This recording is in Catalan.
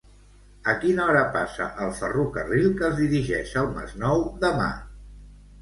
A quina hora passa el ferrocarril que es dirigeix al Masnou demà?